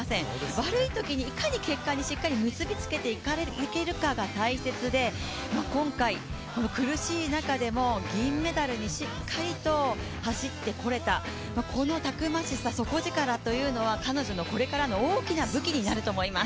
悪いときにいかに結果にしっかり結びつけていけるかが大切で、今回苦しい中でも銀メダルにしっかりと走ってこれたこのたくましさ、底力というのは彼女のこれからの大きな武器になると思います。